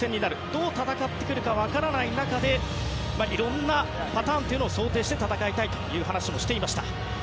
どう戦ってくるか分からない中でいろんなパターンを想定して戦いたいという話もしていました。